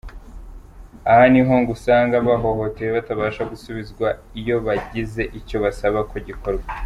Aha niho ngo usanga abahohotewe batabasha gusubizwa iyo bagize icyo basaba ko gikorwa.